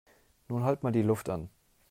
Nun halt mal die Luft an!